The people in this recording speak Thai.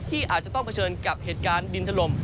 ที่อาจจะต้องเผชิญกับเหตุการณ์ดินถล่ม